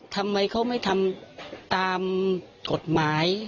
ทำไมเขาไม่ทำตามกฎหมาย